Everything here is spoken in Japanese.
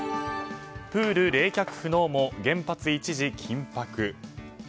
プール冷却不能も原発一時緊迫。